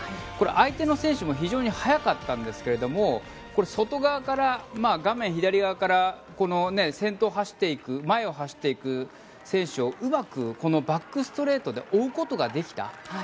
相手の選手も非常に速かったんですけれど外側から、画面左側からこの先頭を走っていく前を走っていく選手をうまくバックストレートで追うことができた。